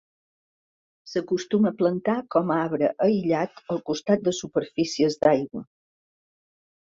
S'acostuma a plantar com a arbre aïllat al costat de superfícies d'aigua.